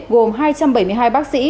gồm hai trăm bảy mươi hai bác sĩ